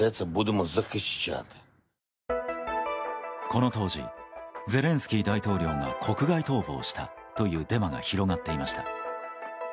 この当時ゼレンスキー大統領が国外逃亡したというデマが広がっていました。